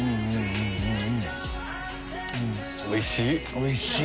おいしい！